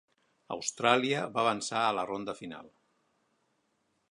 "Austràlia" va avançar a la ronda final.